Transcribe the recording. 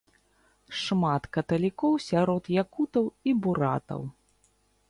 Шмат каталікоў сярод якутаў і буратаў.